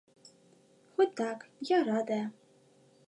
Хоць так, я радая.